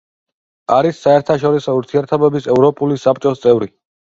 არის საერთაშორისო ურთიერთობების ევროპული საბჭოს წევრი.